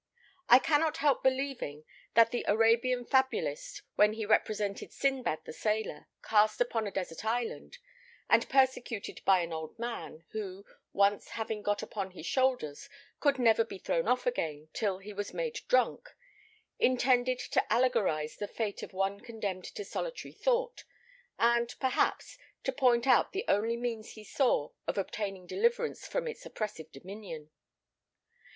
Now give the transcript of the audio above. I cannot help believing that the Arabian fabulist, when he represented Sinbad the sailor cast upon a desert island, and persecuted by an old man, who, once having got upon his shoulders, could never be thrown off again till he was made drunk, intended to allegorize the fate of one condemned to solitary thought, and perhaps, to point out the only means he saw of obtaining deliverance from its oppressive dominion.